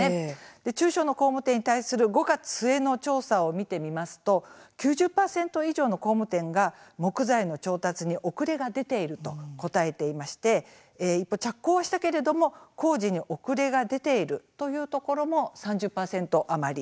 中小の工務店に対する５月末の調査を見てみますと９０％以上の工務店が木材の調達に遅れが出ていると答えていて着工はしたけれど工事に遅れが出ているというところも３０％余り。